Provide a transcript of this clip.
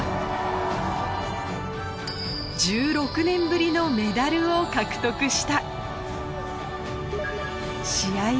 １６年ぶりのメダルを獲得した一応。